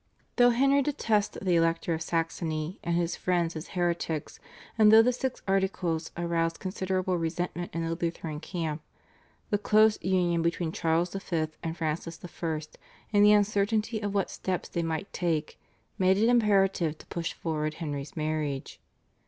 Though Henry detested the Elector of Saxony and his friends as heretics, and though the Six Articles aroused considerable resentment in the Lutheran camp, the close union between Charles V. and Francis I. and the uncertainty of what steps they might take made it imperative to push forward Henry's marriage.